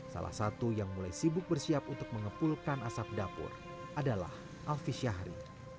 salah satu yang mulai sibuk bersiap untuk mengepulkan asap dapur adalah alfi syahri